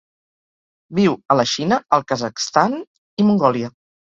Viu a la Xina, el Kazakhstan i Mongòlia.